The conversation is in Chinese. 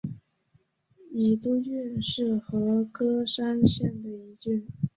伊都郡是和歌山县的一郡。